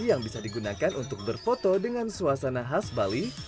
yang bisa digunakan untuk berfoto dengan suasana khas bali